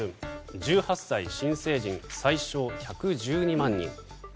１８歳新成人最少１１２万人。